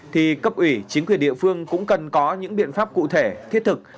thì cấp ủy chính quyền địa phương cũng cần có những biện pháp cụ thể thiết thực